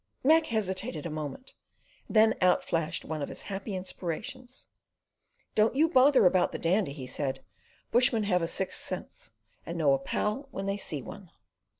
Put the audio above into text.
Mac hesitated a moment, and then out flashed one of his happy inspirations. "Don't you bother about the Dandy," he said; "bushmen have a sixth sense, and know a pal when they see one."